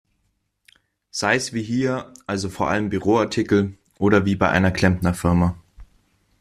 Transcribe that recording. Sei's wie hier, also vor allem Büroartikel, oder wie bei einer Klempnerfirma.